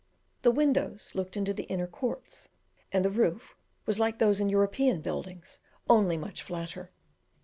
The windows looked into the inner courts, and the roof was like those in European buildings, only much flatter.